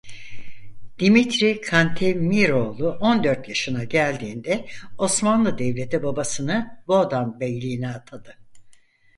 Dimitri Kantemiroğlu on dört yaşına geldiğinde Osmanlı Devleti babasını Boğdan beyliğine atadı.